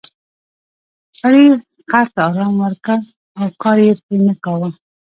سړي خر ته ارام ورکړ او کار یې پرې نه کاوه.